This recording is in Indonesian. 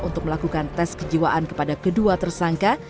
untuk melakukan tes kejiwaan kepada kedua tersangka